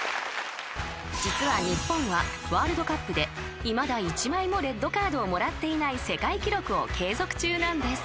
［実は日本はワールドカップでいまだ１枚もレッドカードをもらっていない世界記録を継続中なんです］